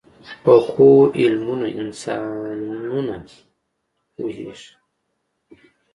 پخو علمونو انسانونه پوهيږي